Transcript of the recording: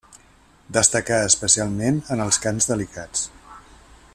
Destacà especialment en els cants delicats.